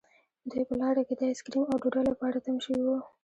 دوی په لاره کې د آیس کریم او ډوډۍ لپاره تم شوي وو